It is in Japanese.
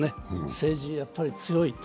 政治、やっぱり強いと。